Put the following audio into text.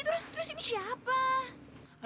terus ini siapa